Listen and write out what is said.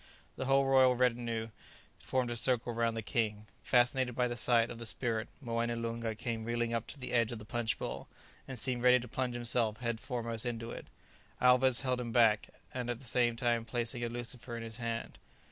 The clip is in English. The whole royal retinue formed a circle round the king. Fascinated by the sight of the spirit, Moené Loonga came reeling up to the edge of the punch bowl, and seemed ready to plunge himself head foremost into it. Alvez held him back, at the same time placing a lucifer in his hand.